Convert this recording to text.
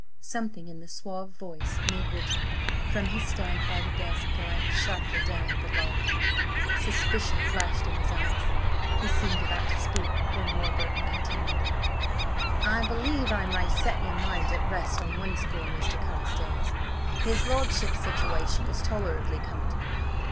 Something in the suave voice made Richard, from his stand by the desk, glance sharply down at the lawyer. Suspicion flashed into his eyes. He seemed about to speak, when Warburton continued: "I believe I may set your mind at rest on one score, Mr. Carstares: his lordship's situation is tolerably comfortable.